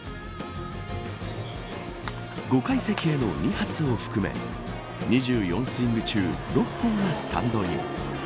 ５階席への２発を含め２４スイング中６本がスタンドイン。